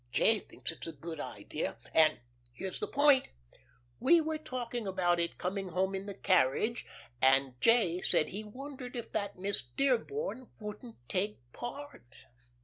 J. thinks it's a good idea, and here's the point we were talking about it coming home in the carriage, and J. said he wondered if that Miss Dearborn wouldn't take part.